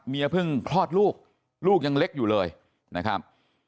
เพิ่งคลอดลูกลูกยังเล็กอยู่เลยนะครับ